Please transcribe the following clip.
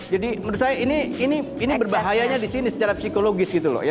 jadi menurut saya ini berbahayanya di sini secara psikologis gitu loh ya